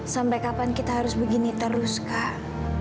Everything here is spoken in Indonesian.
sampai kapan kita harus begini terus kak